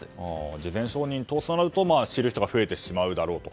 事前承認を通すとなると知る人が増えてしまうだろうと。